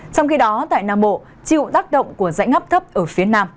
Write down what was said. trong khi đó tại nam bộ chịu tác động của dãy ngắp thấp ở phía nam